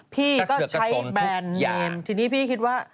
พี่ก็ใช้แบรนด์เนมทีนี้พี่คิดว่า